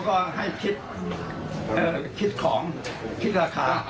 ก็ให้คิดของคิดราคา